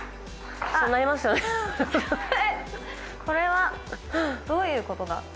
これはどういうことだ？